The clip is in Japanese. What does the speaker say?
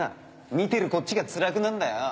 見てるこっちがつらくなるんだよ